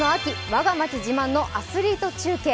わが町自慢のアスリート中継」。